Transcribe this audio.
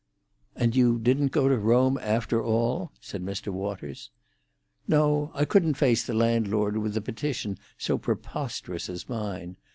"And you didn't go to Rome after all?" said Mr. Waters. "No; I couldn't face the landlord with a petition so preposterous as mine.